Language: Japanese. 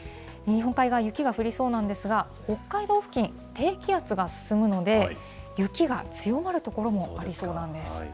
日本海側、雪が降りそうなんですが、北海道付近、低気圧が進むので、雪が強まる所もありそうなんです。